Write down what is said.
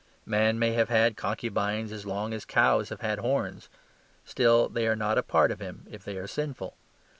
Man may have had concubines as long as cows have had horns: still they are not a part of him if they are sinful.